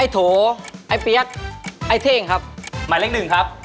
บอกชื่อตัวละครในหนังตะลุงมา๓ชื่อครับ